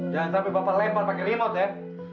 jangan sampai bapak lempar pake remote ya